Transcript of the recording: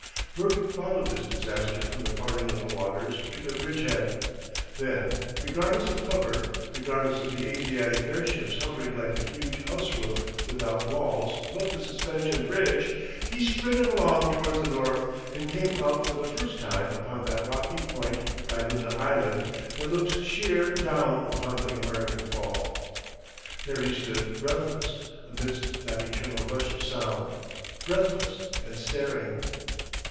Bert followed this disaster from the Parting of the Waters to the bridge head. Then, regardless of cover, regardless of the Asiatic airship hovering like a huge house roof without walls above the Suspension Bridge, he sprinted along towards the north and came out for the first time upon that rocky point by Luna Island that looks sheer down upon the American Fall. There he stood breathless amidst that eternal rush of sound, breathless and staring.